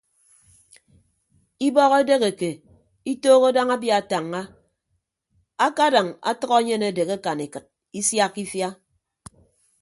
Ibọk edeheke itooho daña abia atañña akadañ atʌk enyen adehe akan ekịt isiakka ifia.